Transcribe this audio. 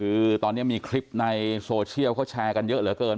คือตอนนี้มีคลิปในโซเชียลเขาแชร์กันเยอะเหลือเกิน